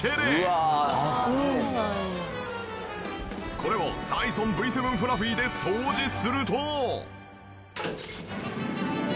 これをダイソンＶ７フラフィで掃除すると。